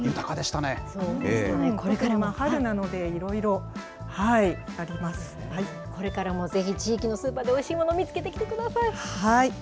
春なので、これからもぜひ、地域のスーパーで、おいしいもの見つけてきてください。